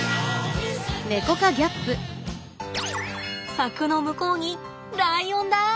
柵の向こうにライオンだ！